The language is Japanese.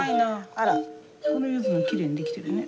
あらこのゆずもきれいに出来てるね。